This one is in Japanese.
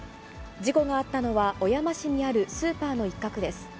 事故があったのは、小山市にあるスーパーの一角です。